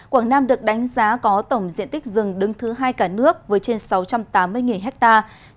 quảng nam được đánh giá có tổng diện tích rừng đứng thứ hai cả nước với trên sáu trăm tám mươi hectare